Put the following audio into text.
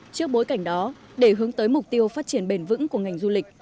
trước bối cảnh đó để hướng tới mục tiêu phát triển bền vững của ngành du lịch